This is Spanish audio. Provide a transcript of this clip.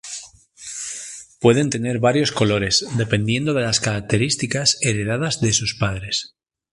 Pueden tener varios colores, dependiendo de las características heredadas de sus padres.